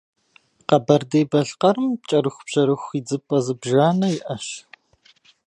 Къэбэрдей-Балъкъэрым кӏэрыхубжьэрыху идзыпӏэ зыбжанэ иӏэщ.